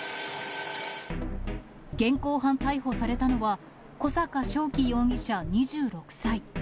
現行犯逮捕されたのは、小阪渉生容疑者２６歳。